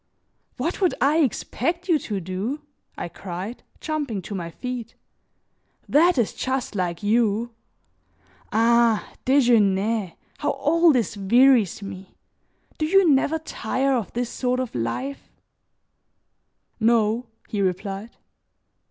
"What would I expect you to do?" I cried, jumping to my feet. "That is just like you. Ah! Desgenais, how all this wearies me! Do you never tire of this sort of life?" "No," he replied.